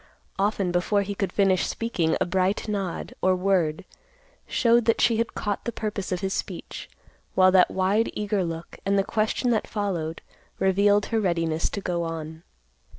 Often before he could finish speaking, a bright nod, or word, showed that she had caught the purpose of his speech, while that wide eager look, and the question that followed, revealed her readiness to go on.